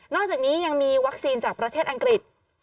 อกจากนี้ยังมีวัคซีนจากประเทศอังกฤษ